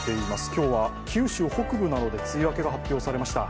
今日は九州北部などで梅雨明けが発表されました。